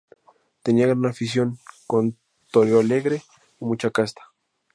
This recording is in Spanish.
Tenía gran afición, con toreo alegre y mucha casta.